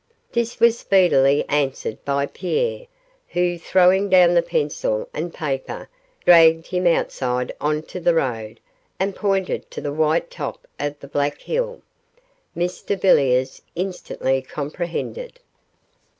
This was speedily answered by Pierre, who, throwing down the pencil and paper, dragged him outside on to the road, and pointed to the white top of the Black Hill. Mr Villiers instantly comprehended.